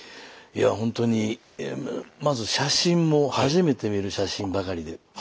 いやほんとにまず写真も初めて見る写真ばかりで。